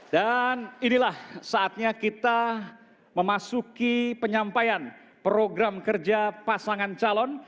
dan inilah saatnya kita memasuki penyampaian program kerja pasangan calon